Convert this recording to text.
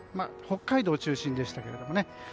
北海道中心でしたけれどね。